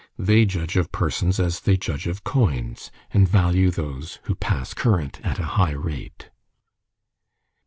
They judge of persons as they judge of coins, and value those who pass current at a high rate.